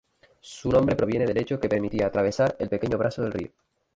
Su nombre proviene del hecho que permitía atravesar el pequeño brazo del río.